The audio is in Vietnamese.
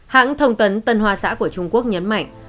hãng thông tấn tân hoa xã của trung quốc nhấn mạnh